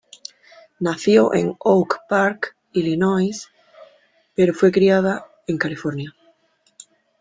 Nació en Oak Park, Illinois, pero fue criada en California.